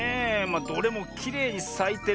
あどれもきれいにさいてるけど。